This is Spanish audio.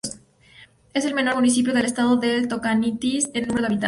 Es el menor municipio del estado del Tocantins en número de habitantes.